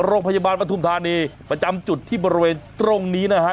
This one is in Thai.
โรงพยาบาลปฐุมธานีประจำจุดที่บริเวณตรงนี้นะฮะ